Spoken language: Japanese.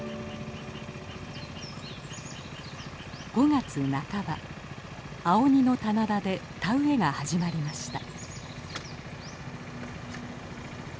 ５月半ば青鬼の棚田で田植えが始まりました。